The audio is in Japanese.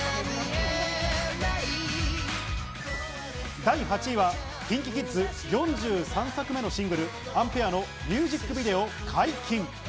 第８位はＫｉｎＫｉＫｉｄｓ、４３作目のシングル『アン／ペア』のミュージックビデオ解禁。